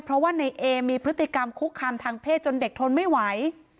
เพราะว่าในเอมีพฤติกรรมคุกคามทางเพศจนเด็กทนไม่ไหว